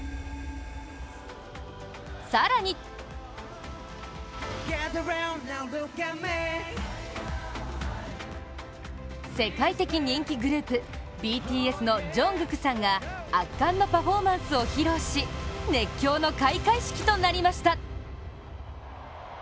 更に世界的人気グループ、ＢＴＳのＪＵＮＧＫＯＯＫさんが圧巻のパフォーマンスを披露し熱狂の開会式となりました。